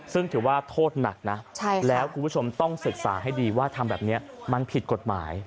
ซึ่งถือว่าโทษหนักนะแล้วคุณผู้ชมต้องศึกษาให้ดีว่าทำแบบนี้มันผิดกฎหมาย